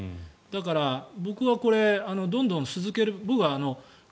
だから、僕はどんどん続ける。